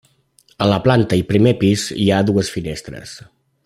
A la planta i primer pis hi ha dues finestres.